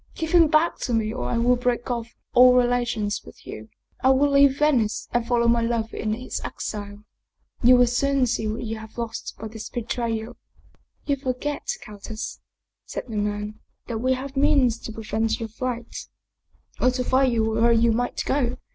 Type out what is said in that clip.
Give him back to me or I will break off all relations with you I will leave Venice and follow my lover in his exile. You will soon see what you have lost by this betrayal" " You forget, countess," said the man, " that we have means to prevent your flight, or to find you wherever you might go.